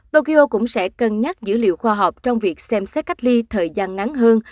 tokyo cũng sẽ cân nhắc dữ liệu khoa học trong việc xem xét cách ly thời gian ngắn hơn